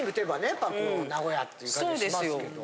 やっぱこう名古屋っていう感じしますけど。